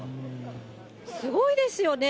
すごいですよね。